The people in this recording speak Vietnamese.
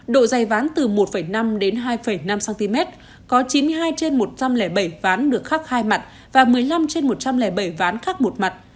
độ dày ván từ một năm đến hai năm cm có chín mươi hai trên một trăm linh bảy ván được khắc hai mặt và một mươi năm trên một trăm linh bảy ván khắc một mặt